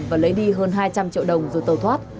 và lấy đi hơn hai trăm linh triệu đồng rồi tàu thoát